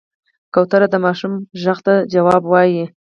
کوتره د ماشوم غږ ته ځواب وايي.